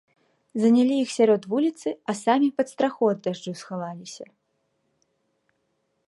Занялі іх сярод вуліцы, а самі пад страху ад дажджу схаваліся.